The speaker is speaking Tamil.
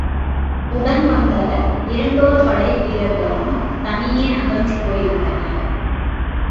உடன் வந்த இரண்டோர் படை வீரர்களும் தனியே அகன்று போயிருந்தனர்.